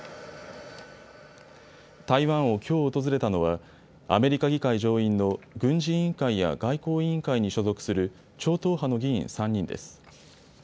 台湾をきょう訪れたのはアメリカ議会上院の軍事委員会や外交委員会に所属する超党派の議員３人です。